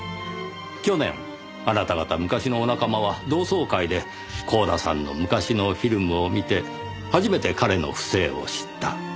去年あなた方昔のお仲間は同窓会で光田さんの昔のフィルムを見て初めて彼の不正を知った。